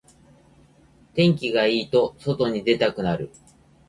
天気がいいと外に出たくなる